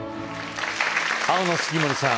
青の杉森さん